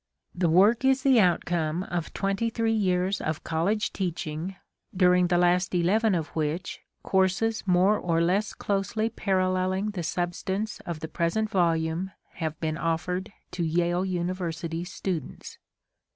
The work is the outcome of twenty three years of college teach ing, during the last eleven of which courses more or less closely par alleling the substance of the present volume have been offered to Yale University students.